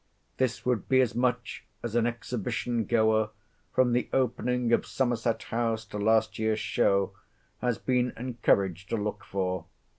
This would be as much as an exhibition goer, from the opening of Somerset House to last year's show, has been encouraged to look for.